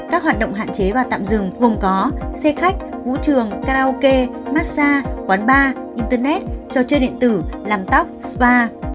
các hoạt động hạn chế và tạm dừng gồm có xe khách vũ trường karaoke massage quán bar internet trò chơi điện tử làm tóc spa